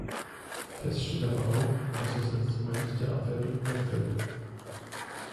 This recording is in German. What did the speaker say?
Fest steht aber auch, dass das Instrument der Abwertung wegfällt.